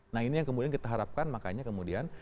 nah ini yang kemudian kita harapkan makanya kemudian